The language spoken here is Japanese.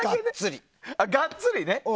がっつり。